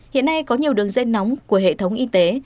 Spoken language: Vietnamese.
hiện nay có nhiều đường dây nóng của hệ thống y tế